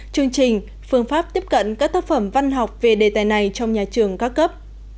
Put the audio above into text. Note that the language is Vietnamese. chương trình phương pháp tiếp cận các tác phẩm văn học về đề tài này trong nhà trường cao cấp